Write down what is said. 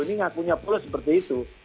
ini ngakunya polo seperti itu